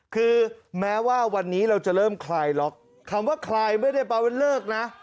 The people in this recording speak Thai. คือแม้ว่าวันนี้เราจะเริ่มคลายล็อกคำว่าคลายไม่ได้แปลว่าเลิกนะ